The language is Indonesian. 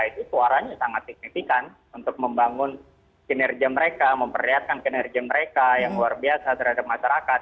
itu suaranya sangat signifikan untuk membangun kinerja mereka memperlihatkan kinerja mereka yang luar biasa terhadap masyarakat